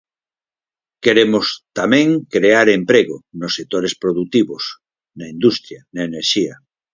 Queremos tamén crear emprego nos sectores produtivos, na industria, na enerxía.